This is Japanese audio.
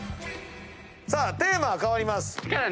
さあテーマ変わります。